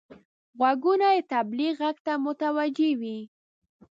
غوږونه د تبلیغ غږ ته متوجه وي